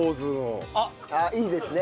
あっいいですね。